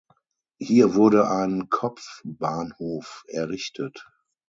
Hier wurde ein Kopfbahnhof errichtet.